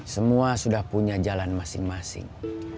semua sudah punya jalan masing masing